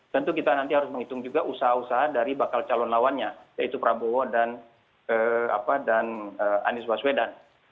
tentu kita nanti harus menghitung juga usaha usaha dari bakal calon lawannya yaitu prabowo dan anies baswedan